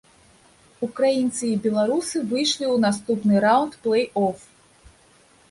Украінцы і беларусы выйшлі ў наступны раўнд плэй-оф.